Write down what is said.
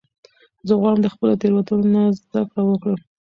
زه غواړم د خپلو تیروتنو نه زده کړه وکړم.